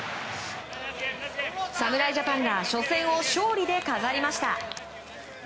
侍ジャパンが初戦を勝利で飾りました。